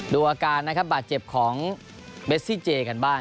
ดูอาการนะครับบาดเจ็บของเบสซี่เจกันบ้าง